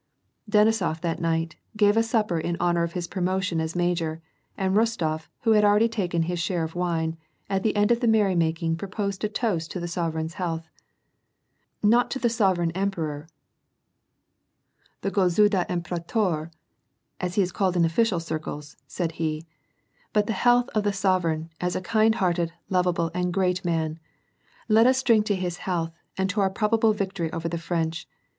Denisof that night, gave a supper in honor of his promotion as major, and Rostof, who had already taken his share of wine, at the end of the merrymaking proposed a toast to the sovereign's health :" Not the sovereign emperor, the gofnidthr imperdtor, as he is called in official circles," said he, " but the health of the sovereign, as a kind hearted, lovable, and great man, — let us drink to his health, and to our probable victory over the French.